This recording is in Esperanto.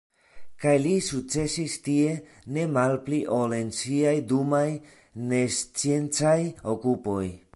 Kaj li sukcesis tie ne malpli ol en siaj dumaj nesciencaj okupoj.